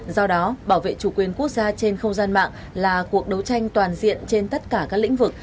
do đó bảo vệ chủ quyền quốc gia trên không gian mạng là cuộc đấu tranh toàn diện trên tất cả các lĩnh vực